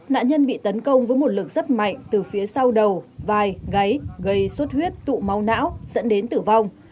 nạn nhân bị tấn công với một lực rất mạnh từ phía sau đầu vai gáy gầy suốt huyết tụ mau não dẫn đến tử vong